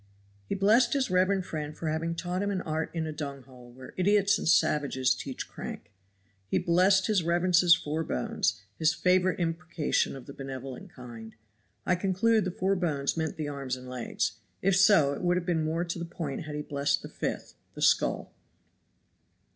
T. T. He blessed his reverend friend for having taught him an art in a dunghole where idiots and savages teach crank. He blessed his reverence's four bones, his favorite imprecation of the benevolent kind. I conclude the four bones meant the arms and legs. If so it would have been more to the point had he blessed the fifth the skull.